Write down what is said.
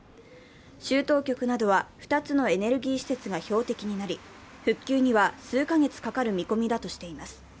州当局などは２つのエネルギー施設が標的になり、復旧には数か月かかる見込みだとしています。